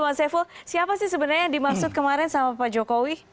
mas saiful siapa sih sebenarnya yang dimaksud kemarin sama pak jokowi